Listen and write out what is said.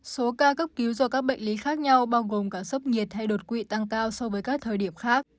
số ca cấp cứu do các bệnh lý khác nhau bao gồm cả sốc nhiệt hay đột quỵ tăng cao so với các thời điểm khác